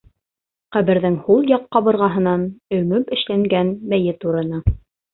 Ҡәберҙең һул яҡ ҡабырғаһынан өңөп эшләнгән мәйет урыны.